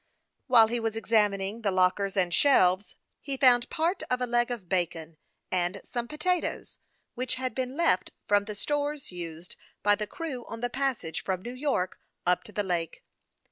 While he was examining the lockers and shelves, he found part of a leg of bacon, and some pota toes, which had been left from the stores used by the crew on the passage from New York up to the lake.